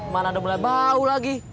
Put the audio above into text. mana udah mulai bau lagi